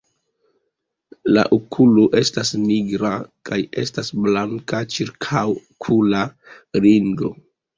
La okulo estas nigra kaj estas blanka ĉirkaŭokula ringo.